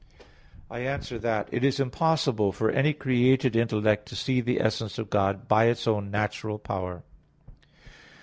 I answer that, It is impossible for any created intellect to see the essence of God by its own natural power.